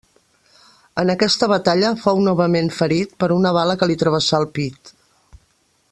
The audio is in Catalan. En aquesta batalla fou novament ferit per una bala que li travessà el pit.